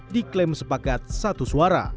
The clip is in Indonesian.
diklaim sepakat satu suara